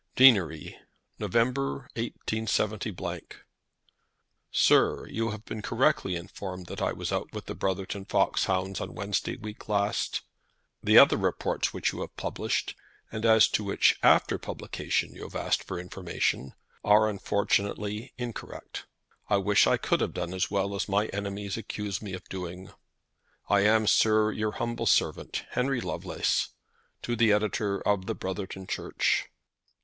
"Deanery, November, 187 "Sir, You have been correctly informed that I was out with the Brotherton foxhounds on Wednesday week last. The other reports which you have published, and as to which after publication, you have asked for information, are unfortunately incorrect. I wish I could have done as well as my enemies accuse me of doing. "I am, Sir, "Your humble servant, "HENRY LOVELACE. "To the Editor of the 'Brotherton Church.'"